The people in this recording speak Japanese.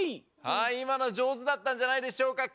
はいいまのじょうずだったんじゃないでしょうか。